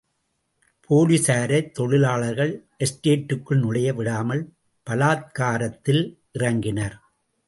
போலீசாரைத் தொழிலாளர்கள் எஸ்டேட்டுக்குள் நுழைய விடாமல் பலாத்காரத்தில் இறங்கினர்.